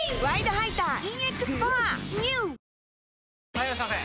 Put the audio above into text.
・はいいらっしゃいませ！